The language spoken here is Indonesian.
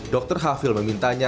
dr hafir memintanya